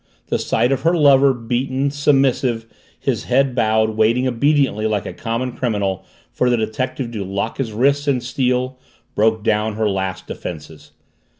The sight of her lover, beaten, submissive, his head bowed, waiting obediently like a common criminal for the detective to lock his wrists in steel broke down her last defenses.